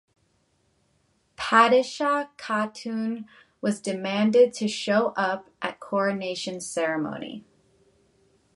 Padishah Khatun was demanded to show up at coronation ceremony.